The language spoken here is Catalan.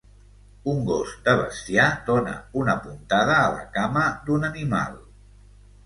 Un gos de bestiar dona una puntada a la cama d'un animal.